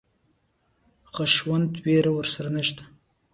خشونت وېره ورسره نشته.